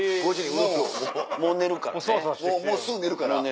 もう寝るからね。